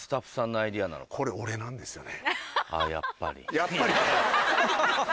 やっぱり？